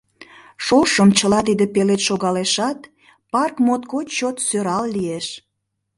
Шошым чыла тиде пелед шогалешат, парк моткоч чот сӧрал лиеш.